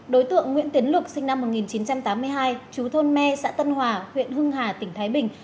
đối tượng nguyễn tiến lực sinh năm một nghìn chín trăm tám mươi hai chú thôn me xã tân hòa huyện hưng hà tỉnh thái bình